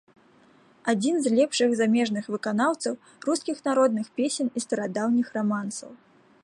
Адзін з лепшых замежных выканаўцаў рускіх народных песень і старадаўніх рамансаў.